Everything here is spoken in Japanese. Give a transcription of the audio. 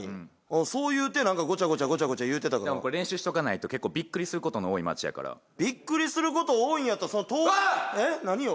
そう言うて何かごちゃごちゃごちゃごちゃ言うてたから練習しとかないと結構びっくりすることの多い街やからびっくりすること多いんやったらそのわっ！えっ何よ？